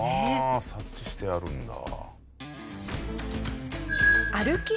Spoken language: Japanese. ああ察知してやるんだ。